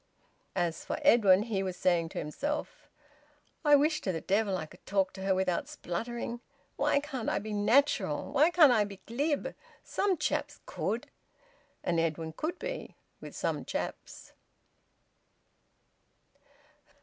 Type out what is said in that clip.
As for Edwin, he was saying to himself: "I wish to the devil I could talk to her without spluttering! Why can't I be natural? Why can't I be glib? Some chaps could." And Edwin could be, with some chaps.